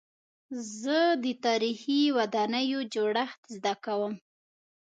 زه د تاریخي ودانیو جوړښت زده کوم.